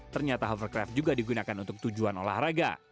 ternyata hovercraft juga digunakan untuk tujuan olahraga